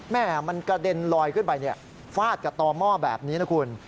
แม่มันกระเด็นลอยขึ้นไปฟาดกับต่อหม้อแบบนี้นะคุณ